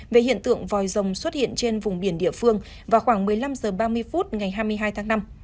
về hiện tượng vòi rồng xuất hiện trên vùng biển địa phương vào khoảng một mươi năm h ba mươi phút ngày hai mươi hai tháng năm